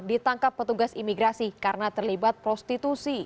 ditangkap petugas imigrasi karena terlibat prostitusi